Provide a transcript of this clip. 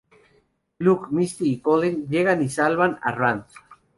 Luke, Misty y Colleen llegan y salvan a Rand.